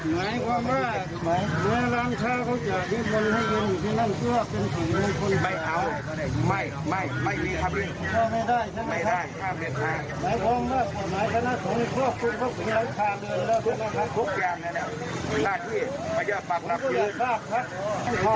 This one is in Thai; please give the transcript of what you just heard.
ทุกอย่างนั้นน่าที่พระเจ้าปรับรับยืน